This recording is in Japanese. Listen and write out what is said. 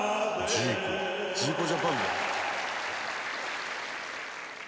「ジーコジャパンだ」